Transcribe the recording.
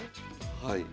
はい。